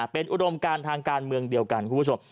เป็นอุดมการทางการเมืองเดียวกันคุณผู้ชม